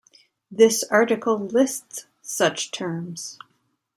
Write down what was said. This article lists such terms.